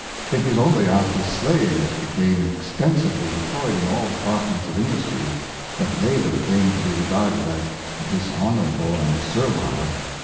It was only after slaves became extensively employed in all departments of industry that labor came to be re garded as dishonorable and servile.